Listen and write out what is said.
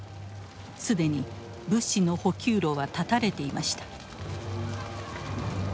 既に物資の補給路は断たれていました。